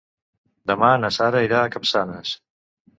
Demà na Sara irà a Capçanes.